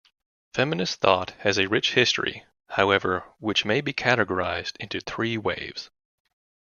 Feminist thought has a rich history, however, which may be categorized into three 'waves'.